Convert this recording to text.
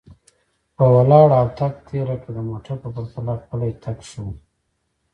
په ولاړه او تګ تېره کړه، د موټر په پرتله پلی تګ ښه و.